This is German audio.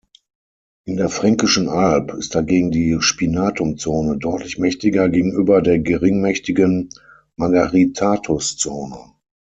In der Fränkischen Alb ist dagegen die Spinatum-Zone deutlich mächtiger gegenüber der geringmächtigen Margaritatus-Zone.